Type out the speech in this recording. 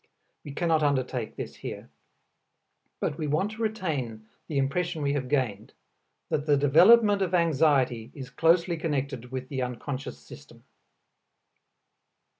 We cannot undertake this here. But we want to retain the impression we have gained, that the development of anxiety is closely connected with the unconscious system.